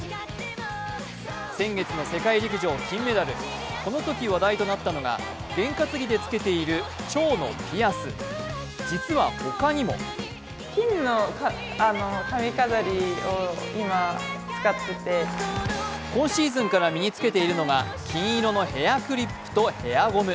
先月の世界陸上金メダル、このとき話題となったのが、験担ぎでつけているちょうのピアス、実は他にも今シーズンから身に着けているのが金色のヘアクリップとヘアゴム。